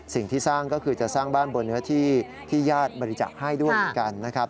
สิ่งที่สร้างก็คือจะสร้างบ้านบนเนื้อที่ที่ญาติบริจาคให้ด้วยเหมือนกันนะครับ